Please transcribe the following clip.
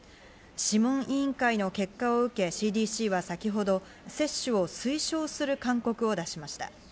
諮問委員会の結果を受け、ＣＤＣは先ほど接種を推奨する勧告を出しました。